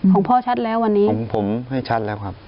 ของพ่อชัดแล้ววันนี้ผมผมให้ชัดแล้วครับ